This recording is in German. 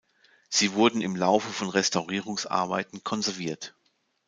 Sie wurden im Laufe von Restaurierungsarbeiten konserviert.